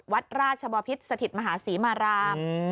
วัดราชบพิษสถิตมหาศรีมาราม